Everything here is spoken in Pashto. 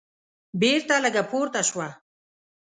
بېرته لږه پورته شوه.